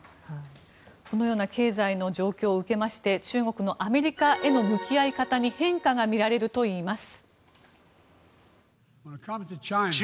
このような経済の状況を受けまして中国のアメリカへの向き合い方に変化がみられるといいます。